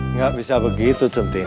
enggak bisa begitu cinti